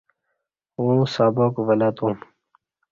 اوں سباق ولہ توم۔